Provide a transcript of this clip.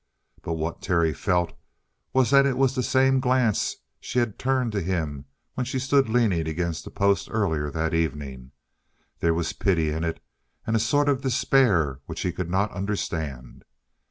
But what Terry felt was that it was the same glance she had turned to him when she stood leaning against the post earlier that evening. There was a pity in it, and a sort of despair which he could not understand.